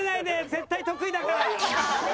絶対得意だから。